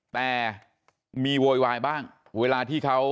แต่มีโวยวายบ้างเวลาที่เขา